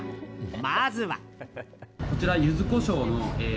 まずは。